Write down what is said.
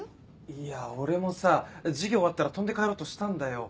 いや俺もさ授業終わったら飛んで帰ろうとしたんだよ。